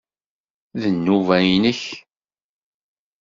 D nnuba-nnek.